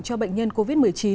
cho bệnh nhân covid một mươi chín